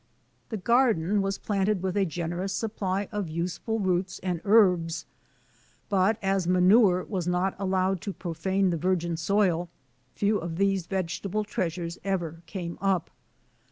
The garden was planted with a generous supply of useful roots and herbs; but, as manur e was not allowed to profane the virgin soil, few of these ^ vegetable treasures ever came up.